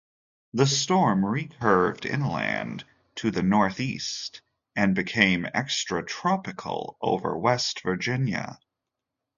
The storm re-curved inland to the northeast and became extratropical over West Virginia.